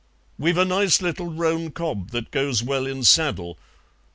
"We've a nice little roan cob that goes well in saddle.